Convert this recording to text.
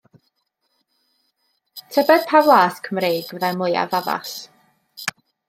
Tybed pa flas Cymreig fyddai mwyaf addas?